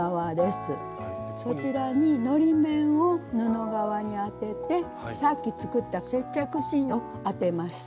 そちらにのり面を布側に当ててさっき作った接着芯を当てます。